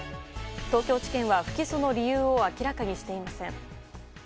東京地検は不起訴の理由を明らかにしていません。